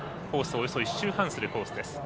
およそ１周半するコースです。